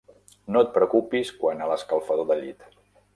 No et preocupis quant a l'escalfador de llit.